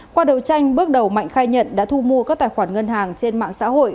qua đầu tranh bước đầu mạnh khai nhận đã thu mua các tài khoản ngân hàng trên mạng xã hội